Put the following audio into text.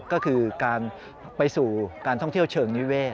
ก็คือการไปสู่การท่องเที่ยวเชิงนิเวศ